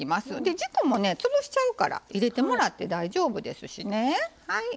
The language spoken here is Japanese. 軸もね潰しちゃうから入れてもらって大丈夫ですしね。